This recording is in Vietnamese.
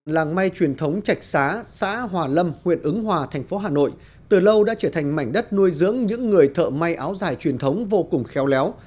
làng may truyền thống chạch xá xã hòa lâm huyện ứng hòa thành phố hà nội từ lâu đã trở thành mảnh đất nuôi dưỡng những người thợ may áo dài truyền thống vô cùng khéo léo